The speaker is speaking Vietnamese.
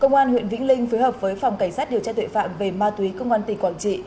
công an huyện vĩnh linh phối hợp với phòng cảnh sát điều tra tuệ phạm về ma túy công an tỉnh quảng trị